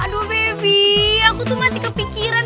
aduh baby aku tuh masih kepikiran